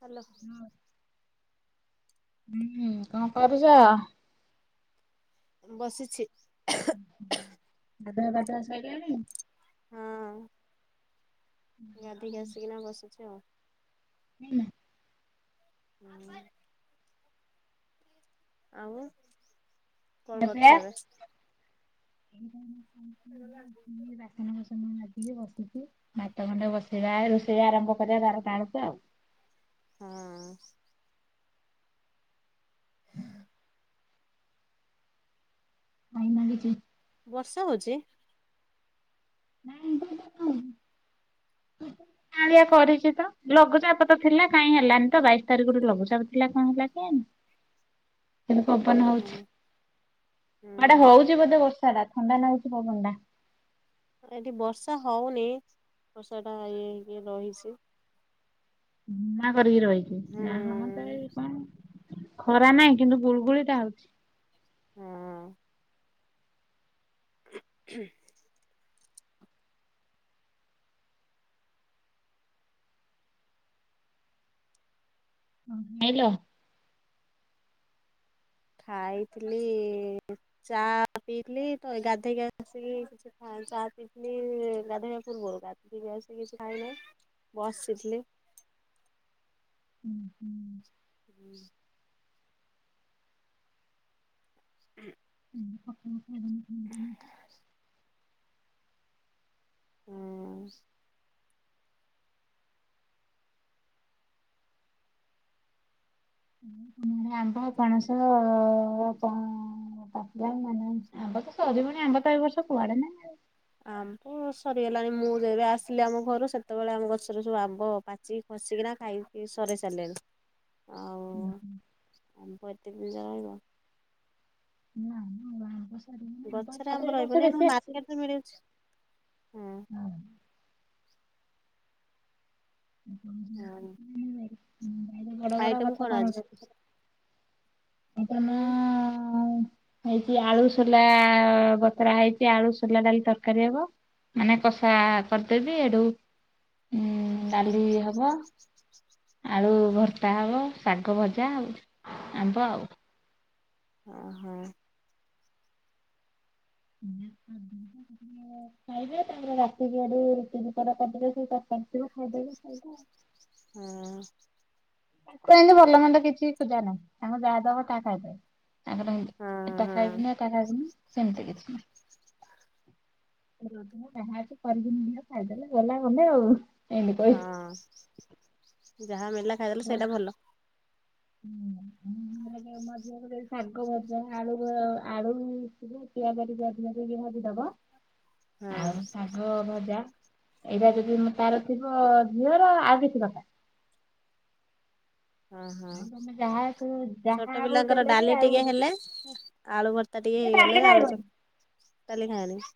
Hello. ହୁଁ କଣ କରୁଛ। ବସିଛି। ଗାଧୁଆ ପାଧୁଆ ସଇଲାଣି। ହଁ ଗାଧେଇକି ଆସିକିନା ବସିଛି ଆଉ। ହୁଁ। ହୁଁ। ଆଉ ଖିଆ କଣ ପିଆ? କରୁଛ ଏବେ? [inaudible] ବାସନ ଫାସନ୍ ମା ଚୁଲି ବସିଛି ଭାତ ଗଣ୍ଡେ ବସେଇବା ରୋଷେଇ ଆରମ୍ଭ କରିବା ବାର ଟା ବେଳକୁ ଆଉ। ହଁ। ହୁଁ। [unintelligible] ବର୍ଷା ହଉଚି? ନାଇ [unintelligible] କାଉଁଳିଆ କରିଚି ତ ଲଘୁଚାପ ତ ଥିଲା କାଇଁ ହେଲାନି ତ ବାଇଶି ତାରିଖ ରୁ ଲଘୁଚାପ ଥିଲା କଣ ହେଲା କେଇଆଣି। ନ୍ତୁ ପବନ ହୁଁ ହଉଛି ହୁଁ ଏଟା ହୁଁ ହଉଛି ବୋଧେ ବର୍ଷା ଟା। ଥଣ୍ଡା ନାଗୁଚି ପବନ ଟା। ଏଠି ବର୍ଷା ହଉନି ବର୍ଷା ଟା ଇଏ ହେଇକି ରହିଛି। ନା। କରିକି ରହିଚି ନା ହଅନ୍ତା ଏ ହୁଁ କଣ। ଖରା ନାହିଁ କିନ୍ତୁ ଗୁଳଗୁଳି ଟା ହଉଛି। ହଁ। ହୁଁ ହୁଁ ନେଇଲ। ଖାଇଥିଲି ଚା ପିଇଥିଲି ତ ଗାଧେଇକି ଆସିକି କିଛି ଖାଇ ଚା ପିଇଥିଲି ଗାଧେଇବା ପୂର୍ବରୁ ଗାଧେଇକି ଆସିକି କିଛି ଖାଇନାହିଁ ବସିଥିଲି। ହୁଁ ହୁଁ। ହୁଁ। [unintelligible] ହଁ। ଆମ୍ବ ପଣସ କଣ ପାଚିଲାଣି ନା ନାଇ ଆମ୍ବ ତ ସରିିବଣି ଆମ୍ବ ତ ଏ ବର୍ଷ କୁଆଡେ ନାହିଁ ଆଉ। ଆମ୍ବ ସରିଗଲାଣି ମୁଁ ଯେବେ ଆସିଲି ଆମ ଘରୁ ସେତେବେଳେ ଆମ ଗଛରେ ସବୁ ଆମ୍ବ ପାଚିକି ଖସିକିନା ଖାଇକି ସରେଇ ସାରିଲେଣି ଆଉ ଆମ୍ବ ଏତେ ଦିନ ରହିବ। ନା ମ ଆମ୍ବ ସରିବଣି ଆମ୍ବ ଗଛରେ ତାପରେ ଆମ୍ୱ ଏ ବର୍ଷ ରହିବନି ଆମ ବେଶୀ ଆସିନି। ମାର୍କେଟରେ ମିଳୁଛି ହଁ। ହଁ। ହୁଁ। ବଡ ବଡ ଆଇଟମ କଥା କଣ? ଆଜି [unintelligible] ନା ହୁଁ ହେଇଛି ଆଳୁ ସୋଲା ବତୁରା ହେଇଚି ଆଳୁ ସୋଲା ଡାଲି ତରକାରୀ ହବ ମାନେ କଷା କରିଦେବି ଏଠୁ ଉ ଡାଲି ହବ। ଆଳୁ ଭର୍ତା ହବ ଶାଗ ଭଜା ଆଉ ଆମ୍ବ ଆଉ। ଓ ହୋ। ଖାଇବେ ତାପରେ ରାତିି ଆଡେ ରୁଟି ଦି ପଟ କରିଦେବେ ସେଇ ତରକାରୀ ଥିବ ଖାଇଦେବେ ସଇଲା। ହଁ। [unintelligible] ଭଲମନ୍ଦ କିଛି ଖୁଜା ନାହିଁ ତାଙ୍କୁ ଯାହାଦବ ତା ଖାଇଦେବେ। ତାଙ୍କର ହଁ ଏଟା ହଁ ଖାଇବିନି ଏଟା ଖାଇବିନି ସେମିତି କିଛି। ରଜରେ ଯାହା ଅଛି କରିବି [unintelligible] ଖାଇଦେଲେ ଗଲା ଗଲେ ଆଉ। ଏମିତି କହିବି। ହଁ। ଯାହା ମିଳିଲା ଖାଇଦେଲେ ହଁ ହୁଁ। ସେଇଟା ଭଲ। [unintelligible] ମୋ ଝିଅକୁ ଯଦି ଶାଗଭଜା ଆଳୁ ଭ ଆଳୁ ଟିକେ ପିଆଜ ଟିକେ ଅଧିକ ଦେଇକି ଭାଜିଦବ। ହଁ। ଏଇଟା ଯଦି ତାର ଥିବ ଝିଅର ଆଉ କିଛି ଦରକାର ନାହିଁ। ଓହୋ ସବୁ ଯାହା ଆଉ ଛୋଟପିଲାଙ୍କର ଦେଲେ ବି ଡାଲି ଆଉ ଟିକେ ହେଲେ ଆଳୁଭର୍ତ୍ତା ଟିକେ ସେ ଡାଲି ହେଲେ ଆଳୁ ଖାଇବନି ଚ ଡାଲି ଖାଇବନି।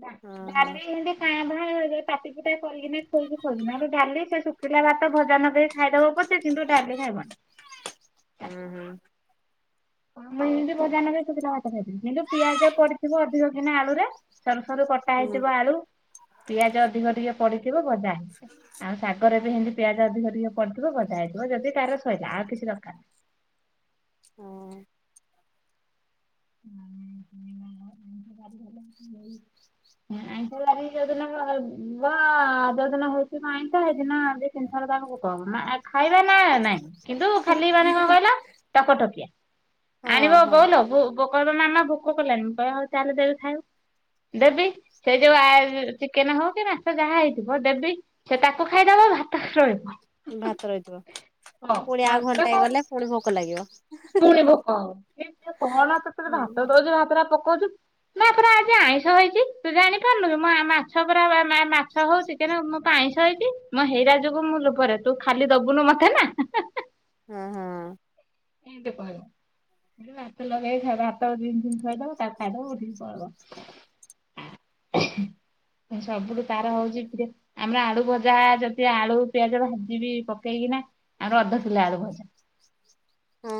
ନା ଡାଲି ହେମିତି କାଁ ଭାଁ। [unintelligible] ପାଟିପୁଟା କରିକିନା ଖୋଇକି ଖୋଇଲି ନହେଲେ ଡାଲି ସେ ଶୁଖିଲା ଭାତ ଭଜା ନଗେଇ। ଖାଇଦବ ପଛେ କିନ୍ତୁ ଡାଲି ଖାଇବନି। ହୁଁ ହୁଁ ମୁଁ ଏମିତି ଭଜା ନଗେଇ ଶୁଖିଲା ଭାତ ଖାଇପାରିବିନି କିନ୍ତୁ ପିଆଜ ପଡିଥିବ ଅଧିକକିନା ଆଳୁରେ। ସରୁ ସରୁ କଟା ହୁଁ ହେଇଥିବ ଆଳୁ ପିଆଜ ଅଧିକ ଟିକେ ପଡିଥିବ ଭଜା। ଆଉ ଶାଗରେ। ହେମିତି ପିଆଜ ଅଧିକ ଟିକେ ପଡ଼ିଥିବ ଭଜା ହେଇଥିବ ଯଦି କାହାର ସଇଲା ଆଉ କିଛି ଦରକାର ନା। ହଁ। ଆଇଁଶ ବାରି ଯୋଉ ଦିନ ହବ ଯୋଉ ଦିନ ହେଇିଥିବ ଆଇଁଶ ହେଇଦିନ ଦି ତିନି ଥର ତାଙ୍କୁ ଭୋକ ହବ ଆ। ଖାଇବା ନା ନାଇଁ କିନ୍ତୁ ଖାଲି ମାନେ କଣ କହିଲା ଟକଟକିଆ ହଁ ଆଣିବ ବୋଉଲୋ ହଁ ବୋଉ। ପୋକନା ମାମା ଭୋକ କଲାଣିି ମୁଁ କହେ ହୋଉ ତାହେଲେ ଦେବି ଖାଇବୁ ଦେବି ସେ ଯୋଉ ଆ ଚିକେନ ହଉ କି ମାଚ ଯାହା ହେଇଥିବ ଦେବି ସେ ତାକୁ ଖାଇଦବ ଭାତ ରହିବ। ଭାତ ରହିଥିବ ହଁ ପୁଣି ଆଉ ଭାତ ଘଣ୍ଟାଏ ଖାଇବ ଗଲେ ପୁଣି ଭୋକ ଲାଗିବ। ପୁଣି ଭୋକ ହବ [unintelligible] କଣ ତତେତ ଭାତ ହୁଁ ଦଉଛି ଭାତଟା ପ କହୁଛୁ ନା ଏଥର ଆଜି ଆଇଁଷ ହେଇଛି ତୁ ଜାଣିପାରୁନୁୁ ମୁଁ ମା ମାଛ ପରା ମା ମା ମାଛ ହଉଛି ଚିକେନ ମୁଁ ପା ଆଇଁଷ ହେଇଚି ମୋ ହେଇରା ଯୋଗୁଁ ମୁଁ ଲୁଭରେ ତୁ ଖାଲି ଦବୁନୁ ମତେନା। ହୁଁ ହଁ। ଏମିତି କହିବ ଖାଲି ଭାତ ଲଗେଇ ଖାଇବ ଭାତ ଦି ଦିନ ଖାଇଦବ ତା ଖାଇଦବ ଉଠିକି ପଳବ ଆ ସବୁଠୁ ତାର ହଉଛି ଯେ ଆମର ଆଳୁ ଭଜା ଯଦି ଆଳୁ ପିଆଜ ଭାଜିିବି ପକେଇକିନା ଆମର ଅଧ କିଲୋ ଆଳୁଭଜା।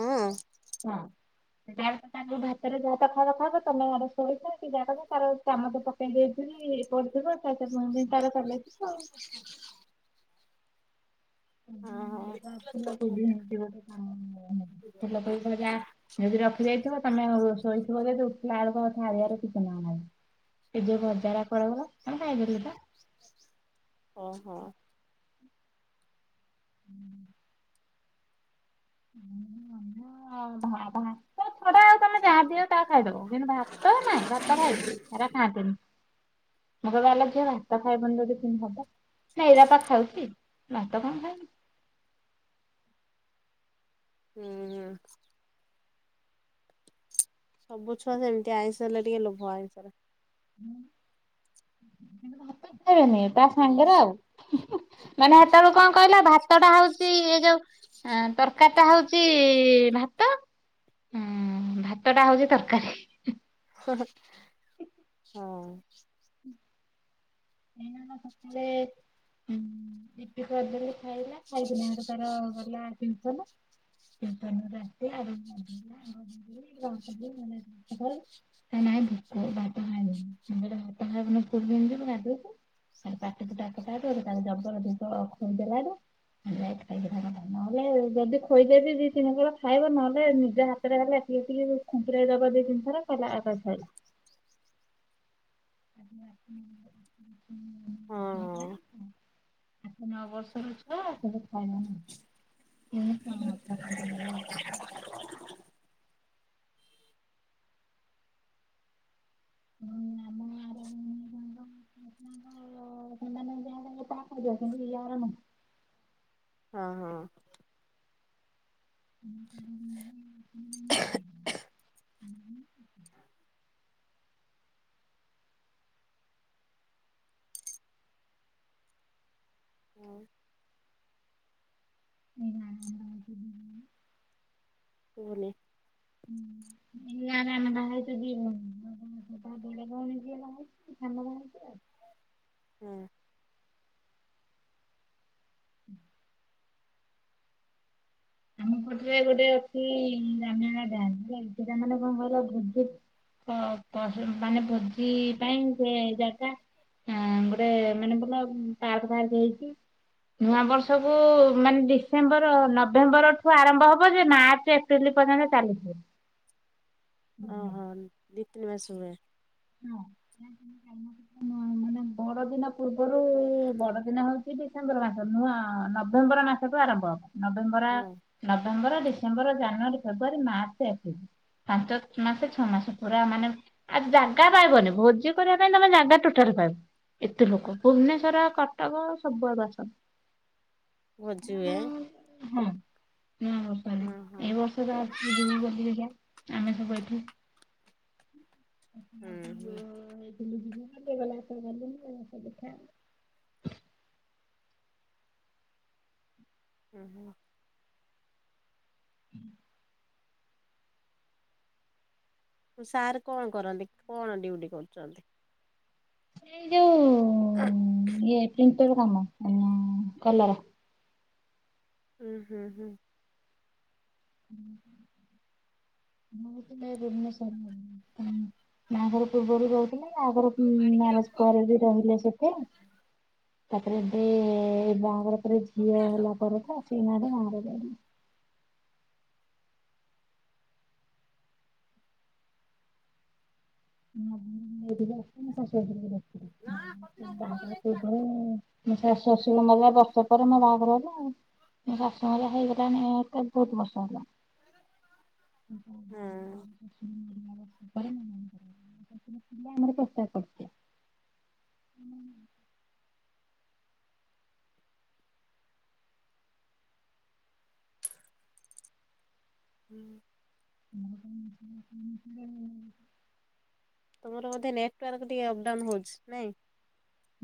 ହଁ ହଁ। ଯାହାତ [unintelligible] ଭାତରେ ଯାହାତ ଖାଇବା ଖାଇବ ତମେ ଆର ଶୋଇଥ କି ଯାହା କରିବ ତାର ଚାମଚ ପକେଇ ଦେଇଥିବ ଏ କରିଥିବ। [unintelligible] ବି ତାରା ଚଲେଇ ଥିବ। ହଁ [unintelligible] ବା ଫୁଲକୋବି ହେତି ଗୋଟେ କଣ ଫୁଲକୋବି ଭଯା ଯଦି ରଖି ଦେଇଥିବ। ତମେ ଆଉ ଶୋଇଥିବ ଯଦି ଉଠିଲା ବେଳକୁ ଆଉ ଥାଳିଆରେ କିଛି ନା ନାହିଁ। ହେ ଯୋଉ ଭଜାରା କୁଆଡ଼େ ଗଲା? ଆମେ ଖାଇପାରିବୁ ତ? ଓହୋ। ହୁଁ ମନ ଆଉ ଭା ଭା ଛଡା ଆଉ ତମେ ଯାହା ଦିଅ ତାହା ଖାଇଦବ କିନ୍ତୁ ଭାତ ନାଇଁ ଭାତ ଖାଇଦେନି ସେଟା ଖାଆନ୍ତିନି। ମୁଁ କହିଲୀ ଆଲୋ ଝିଅ ଭାତ ଖାଇବୁନି ଯଦି କେମିତି ହବନ? ନା ଏଇରା ପା ଖାଉଛି ଭାତ କଣ ଖାଇବି। ହୁଁ ହ। ସବୁ ଛୁଆ ସେମିତି ଆଇଁଷ ହେଲେ ଟିକେ ଲୋଭ ଆଇଁଷରେ ହଁ ହାତ [unintelligible] ତା ହୁଁ ସାଙ୍ଗରେ ଆଉ ମାନେ ସେତେବେଳୁ କଣ କହିଲା ଭ ଭାତ ଟା ହଉଛି ଏ ଯୋଉ ତରକାରୀ ଟା ହଉଛି ଭାତ ଉ ଭାତ ଟା ହଉଛି ତରକାରୀ। ହଁ। କ ସକାଳେ ଉ ଇପି କରିଦେଲି ଖାଇଲା ଖାଇକିନ ହେଟୁ ତାର ଗଲା ଟିଉସନ। ଟିଉସନ୍ ରୁ ଆସିଲା ହାତ ଗୋଡ଼ ଧୋଇଲା। ନାହିଁ ଭୋକ ଭାତ ଖାଇ ଭାତ ଖାଇବା। ପାଟିକୁ ତାକୁଟା ଜବର ଦି ଖୋଇଦେଲାରୁୁ ଯାଇ ଖ ନହେଲେ ଯଦି ଖୋଇଦେବି ଦି ତିନି କଳ ଖାଇବ ନହେଲେ ନିଜେ ହାତରେ ହେଲେ ଖାଲି ଟିକେ ଖୁମ୍ପୁରେଇ ଦବ ଦି ତିନିଥର ସଲା ତାର ସାରିଲା। ଆଜ୍ ହ ହ ହଁ ହ ଆସ ନଅ ବର୍ଷରୁ ଛୁଆ ସେବେ ଖାଇବା ନା [inaudible] ହୁଁ ଆମ ଗାଁରେ ଭଉଣି ମାନଙ୍କ ପିଲାମାନେ ତ [unintelligible] ମୋ ପିଲାରା ନୁହଁ। ହଁ ହଁ। ହ ହ ହ ହ ହ। ହଁ। ଏଇଁ ନା [unintelligible] ଶୁଭୁନି ଏଇ ଗାଁ ରେ ଆମେ ବାହାହେଇଛୁ ଦି ଭଉଣୀ [unintelligible] ତା ବଡ଼ ଭଉଣୀ ଯିଏ ବାହା ହେଇଚି ଆଉ ସାନ ବାହାହେଇଚି ଆଉ। ହୁଁ। ହୁଁ। ଆମ ପାଟରେ ଗୋଟେ ଅଛି ରେମହଲ ଡ୍ୟାମ ହେଲାକି ସେଟା ମାନେ କଣ କହିଲ ଭଲ ଭୋଜି ମାନେ ଭୋଜି ପାଇଁ ସେ ଜାଗା ଗୋଟେ ମାନେ ଭଲ ପା ଫାର୍ ହେଇଛି ନୂଆ ବର୍ଷକୁ ମାନେ ଡିସେମ୍ବର ନ ନଭେମ୍ବର ଠୁ ଆରମ୍ଭ ହବ ଯେ ମାର୍ଚ୍ଚ ଏପ୍ରିଲ ପର୍ଯ୍ୟନ୍ତ ଚାଲିଥିବ। ହୁଁ। ଓହୋ ଦି ତିନ୍ ମାସ ଭଳିଆ। ହଁ ମାନେ ବଡ ଦିନ ପୂର୍ବରୁ ବଡ ଦିନ ହଉଛି ଡିସେମ୍ବର ମାସ ନୂଆ ନଭେମ୍ବର ମାସ ତୁ ଆରମ୍ଭ ହବ। ନଭେମ୍ବର ହଁ ନଭେମ୍ବର ଡୀସ୍ ଡିସେମ୍ବର ଜାନୁଆରୀ ଫେବୃଆରୀ ମାର୍ଚ୍ଚ ଏପ୍ରିଲ୍ ପାଞ୍ଚ ମାସ ଛଅ ମାସ ପୁରା ମାନେ ଆ ଜାଗା ପାଇବନି ଭୋଜି କରିବା ପାଇଁ ତମେ ଜାଗା ଟୁଟାଲେ ପାଇବନି ଏତେ ଲୋକ ଭୁବନେଶ୍ଵର କଟକ ସବୁଆଡ ଆସନ୍ତି। ଅ ଭୋଜି ହୁଏ ହଁ [unintelligible] ଓହୋ ଏ ବର୍ଷ ତ ବାହାରିଛୁ ଯିବୁ ବୋଲି ଦେଖିଆ। ଆମେ ସବୁ ଏଠୁ ହୁଁ ହୁଁ। [inaudible] ଦେଖା। ଉ ହୁ। ହୁଁ। ସାର୍ କଣ କରନ୍ତି, କଣ ଡିଉଟି କରୁଛନ୍ତି? ସେ ଯଉ ଓ ଏ ଏଠି ଫିର୍ କାମ ଉମ୍ କଲର। ହୁଁ ହୁଁ ହୁଁ। ମୁଁ ତ ନାଇ ଭୁବନେଶ୍ୱର ରେ ଉମ୍ ବାହାଘର ପୂର୍ବରୁ ବହୁ ଥିଲେ ଆଗରୁ ଉମ୍ ମ୍ୟାରେଜ ପରେ ବି ରହିଲେ ସେଠେ। ତାପରେ ଏବେ ଏ ବାହାଘର ତାପରେ ଝିଅ ହେଲା ପରେ ତ ସେଇ ନା ରେ ମା [unintelligible] ଦେଲେ। ମୁଁ ବି ଯାଏ ମୋ ଶାଶୁ [inaudible] ଯାଏ। ବାହାଘର ପୂର୍ବ ରୁ ଉ ମୋ ଶାଶ୍ ଶଶୁର ମରିଲା ବର୍ଷ ପରେ ମୋ ବାହାଘର ହେଲା ଆଉ ମୋ ଶାଶୁ ମଲା ହେଇଗଲାଣି ଏତେ ବହୁତ ବର୍ଷ ହେଲା। ହଁ। ପରେ। [inaudible] ସେଥି ପାଇ ଆମର ପ୍ରସ୍ତାବ୍ ପଡିଛି। ହୁଁ। ହୁଁ। [inaudible] ତୁମର ବୋଧେ ନେଟୱାର୍କ ଟିକେ ଅପ୍ ଡାଉନ୍ ହଉଛି, ନାଇଁ।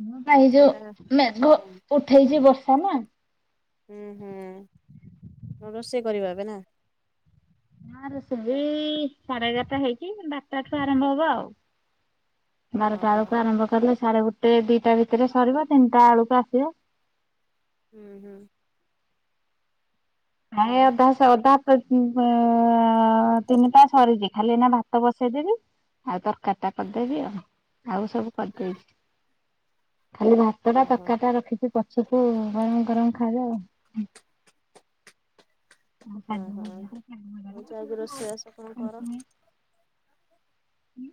ମୁଁ କାଇ ଯୋ କଥାଟା ମେଘ ଉଠେଇଛି ବସି ହେ ନା। ହୁଁ ହୁଁ ରୋଷେଇ କରିବ ଏବେ ନା। ତାହାର ସେ ଏ ସାଢେ ଏଗାରଟା ହେଇକି ବାରଟା ଠୁ ଆରମ୍ଭ ହବ ଆଉ। ହଁ ବାରଟା ହଁ ଆଳକୁ ଆରମ୍ଭ କରି ସାଢେ ଗୋଟେ ଦିଟା ଭିତରେ ସରିବ ତିନ୍ ଟା ଆଳକୁ ଆସିବ। ହୁଁ ହୁଁ। ହ ଏଁ ହଉ ଅଧା ସେ ଅଧା [unintelligible] ତିନିଟା ସରିଛି ଖାଲି ଏଇନା ଭାତ ବସେଇଦେବି ଆଉ ତରକାରୀ ଟା କରିଦେବି ଆଉ, ଆଉ ସବୁ କରିଦେଇଛି। ଖାଲି ଭାତ ଟା ଓହୋ ତରକାରିଟା ରଖିଛି କ ସବୁ ଗରମ ଗରମ ଖାଇବା ଆଉ। ହଁ ହଁ। ହଉ ଯାଇକି ରୋଷେଇବାସ କଣ କର [inaudible] ହୁଁ।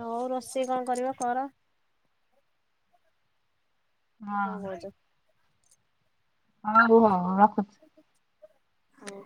ନଉ ରୋଷେଇ କଣ କରିବା କର। କଣ କହୁଛୁ? ହଁ ରୁହ। [inaudible] ହଉ।